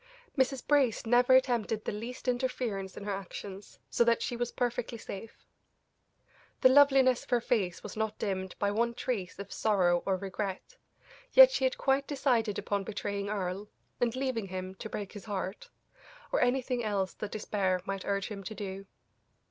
Mrs. Brace never attempted the least interference in her actions, so that she was perfectly safe. The loveliness of her face was not dimmed by one trace of sorrow or regret, yet she had quite decided upon betraying Earle, and leaving him to break his heart, or anything else that despair might urge him to do.